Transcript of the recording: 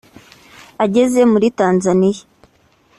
Ageze muri Tanzania